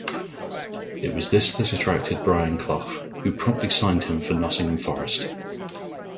It was this that attracted Brian Clough who promptly signed him for Nottingham Forest.